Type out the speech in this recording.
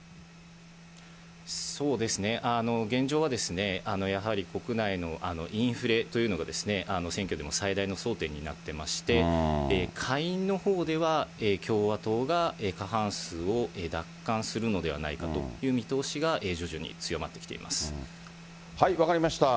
そうですね、現状はやはり国内のインフレというのが、選挙でも最大の争点になってまして、下院のほうでは共和党が過半数を奪還するのではないかという見通分かりました。